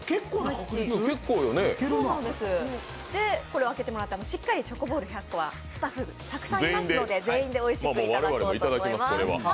これを開けてもらって、しっかりチョコボール１００個はスタッフ、たくさんいますので全員でおいしくいただこうと思います。